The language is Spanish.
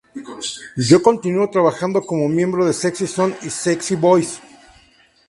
Yo continúo trabajando como miembro de Sexy Zone y Sexy Boyz.